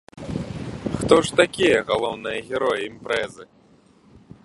Хто ж такія галоўныя героі імпрэзы?